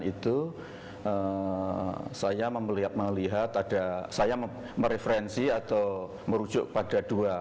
itu saya melihat ada saya mereferensi atau merujuk pada dua